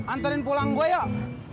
antarin pulang gua yuk